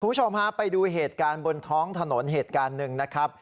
คุณผู้ชมฮะไปดูเหตุการณ์บนท้องถนนเหตุการณ์หนึ่งนะครับ